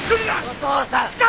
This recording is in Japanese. お父さん！